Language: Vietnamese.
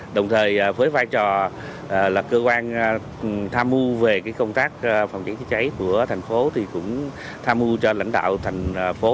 đồng thời với vai trò là cơ quan tham mưu về công tác phòng cháy chữa cháy của thành phố thì cũng tham mưu cho lãnh đạo thành phố